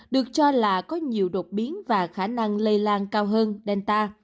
được cho là có nhiều đột biến và khả năng lây lan cao hơn delta